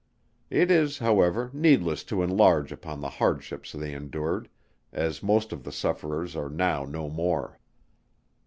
It is, however, needless to enlarge upon the hardships they endured, as most of the sufferers are now no more.